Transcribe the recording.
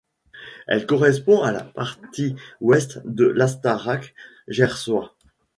Elle correspond à la partie ouest de l'Astarac gersois.